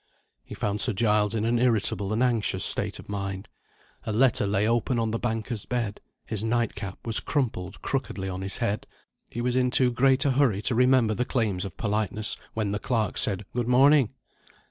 He found Sir Giles in an irritable and anxious state of mind. A letter lay open on the banker's bed, his night cap was crumpled crookedly on his head, he was in too great a hurry to remember the claims of politeness, when the clerk said "Good morning."